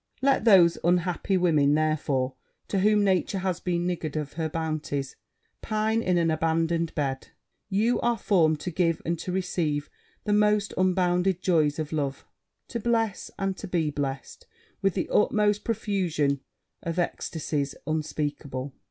Let those unhappy women, therefore, to whom nature has been niggard of her bounties, pine in an abandoned bed. You are formed to give and to receive the most unbounded joys of love to bless and to be blest with the utmost profusion of extasies unspeakable.